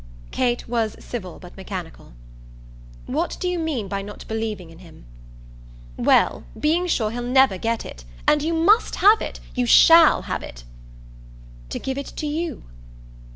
Kate was civil but mechanical. "What do you mean by not believing in him?" "Well, being sure he'll never get it. And you MUST have it. You SHALL have it." "To give it to you?"